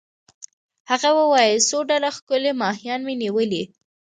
هغه وویل: څو ډوله ښکلي ماهیان مي نیولي.